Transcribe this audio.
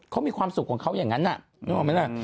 เขามีความสุขของเขาอย่างนั้นน่ะนึกออกไหมล่ะ